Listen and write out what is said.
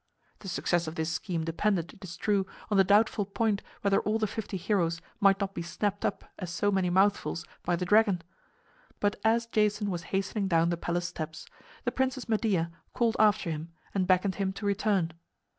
The success of this scheme depended, it is true, on the doubtful point whether all the fifty heroes might not be snapped up as so many mouthfuls by the dragon. But as Jason was hastening down the palace steps, the Princess Medea called after him and beckoned him to return.